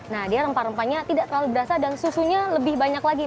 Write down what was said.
nah dia rempah rempahnya tidak terlalu berasa dan susunya lebih banyak lagi